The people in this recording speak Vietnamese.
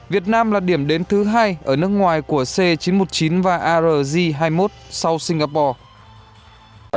việt nam là điểm đến thứ hai ở nước ngoài của c chín trăm một mươi chín và arg hai mươi một sau singapore